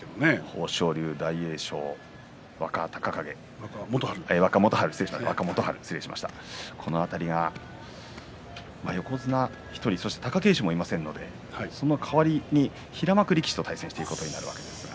豊昇龍、大栄翔、若元春この辺りが、横綱１人貴景勝もいませんのでその代わりに平幕力士と対戦することになります。